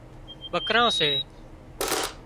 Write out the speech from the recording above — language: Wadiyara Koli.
ٻڪران سي